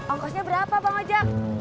ongkosnya berapa bang ojak